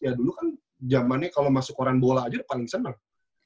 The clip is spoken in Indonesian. ya dulu kan jamannya kalau masuk orang bola aja udah paling senang